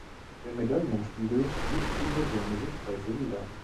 Der Medaillenspiegel gibt die moderne Sichtweise wieder.